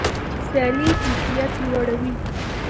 سیالي کیفیت لوړوي.